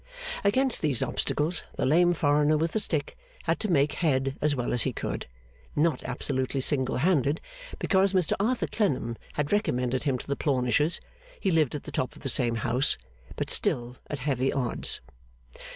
Against these obstacles, the lame foreigner with the stick had to make head as well as he could; not absolutely single handed, because Mr Arthur Clennam had recommended him to the Plornishes (he lived at the top of the same house), but still at heavy odds.